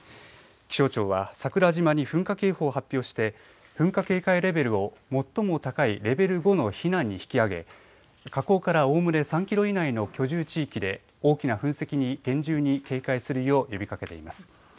気象庁は桜島に噴火警報を発表して噴火警戒レベルを最も高いレベル５の避難に引き上げ火口からおおむね３キロ以内の居住地域で大きな噴石に厳重に警戒するよう呼びかけています。